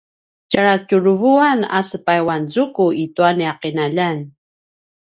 tjaljatjuruvuan a sepayuanzuku i tua nia ’inaljan